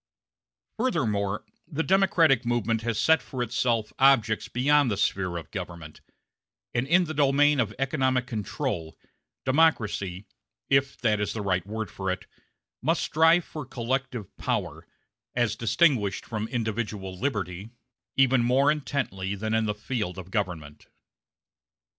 Furthermore, the democratic movement has set for itself objects beyond the sphere of government; and in the domain of economic control, democracy if that is the right word for it must strive for collective power, as distinguished from individual liberty, even more intently than in the field of government.